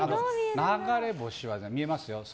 流れ星は見えますよ。